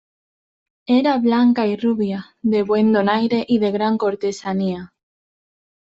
era blanca y rubia, de buen donaire y de gran cortesanía.